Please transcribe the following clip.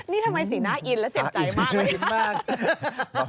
นี่ทำไมสีหน้าอินและเจ็บใจมากเลย